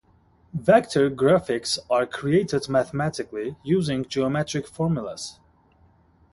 Vector graphics are created mathematically, using geometric formulas.